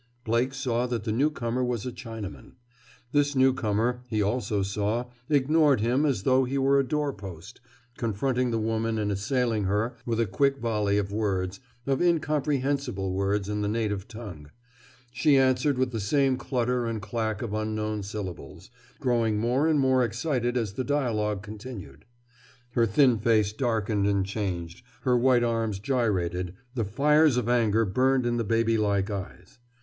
Blake saw that the newcomer was a Chinaman. This newcomer, he also saw, ignored him as though he were a door post, confronting the woman and assailing her with a quick volley of words, of incomprehensible words in the native tongue. She answered with the same clutter and clack of unknown syllables, growing more and more excited as the dialogue continued. Her thin face darkened and changed, her white arms gyrated, the fires of anger burned in the baby like eyes.